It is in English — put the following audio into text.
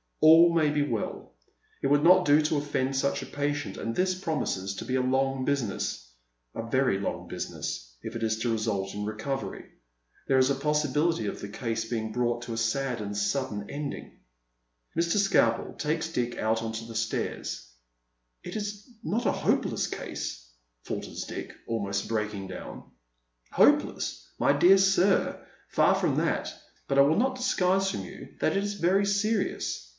All may be well. It would not do to oil'end such a patient, and this promises to be a long business — a very long business — if it is to result in recovery. There is a possibility of the case being brought to a sad and sudden eii:!ing. Mr. Skalpel takes Dick out on to the stairs. " It is not a hopeless case ?" falters Dick, almost breaking down. " Hopeless, my dear sir ! far from that. But I will not disguise from you that it is very serious.